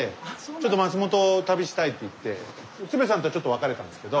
ちょっと松本を旅したいって言って鶴瓶さんとはちょっと別れたんですけど。